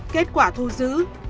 kết quả thu giữ